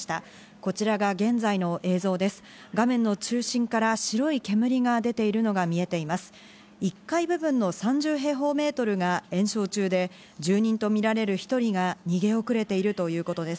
こちらが現在の映像です。